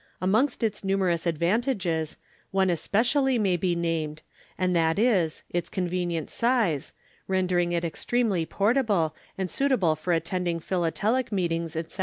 Amongst its numerous advantages, one especially may be named, and that is, its convenient size, rendering it extremely portable, and suitable for attending philatelic meetings, etc.